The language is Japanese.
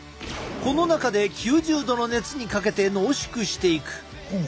この中で９０度の熱にかけて濃縮していく。